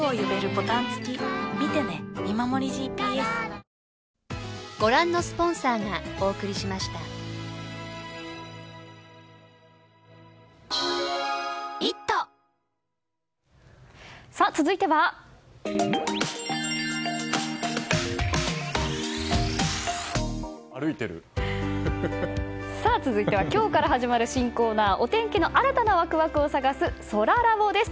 三ツ矢サイダー』続いては、今日から始まる新コーナーお天気の新たなワクワクを探すそらラボです。